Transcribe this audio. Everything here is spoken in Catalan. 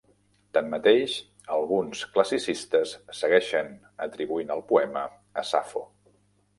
Tanmateix, alguns classicistes segueixen atribuint el poema a Safo.